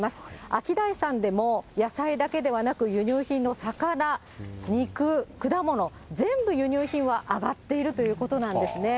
アキダイさんでも野菜だけではなく、輸入品の魚、肉、果物、全部輸入品は上がっているということなんですね。